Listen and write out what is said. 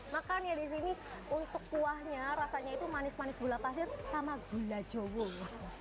makannya disini untuk kuahnya rasanya itu manis manis gula pasir sama gula cowok